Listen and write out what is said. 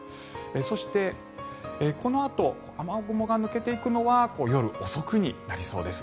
そしてこのあと雨雲が抜けていくのは夜遅くになりそうです。